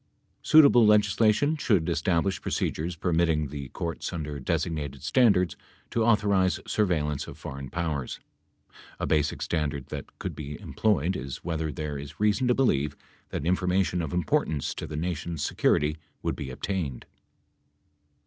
Suitable legislation should establish procedures permitting the courts under designated standards to authorize surveillance of foreign powers. A basic standard that could be employed is whether there is reason to believe that information of importance to the Nation's security would be obtained.